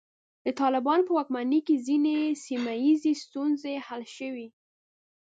د طالبانو په واکمنۍ کې ځینې سیمه ییزې ستونزې حل شوې.